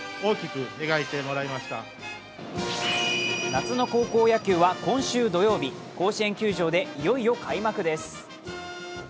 夏の高校野球は、今週土曜日甲子園球場でいよいよ開幕です。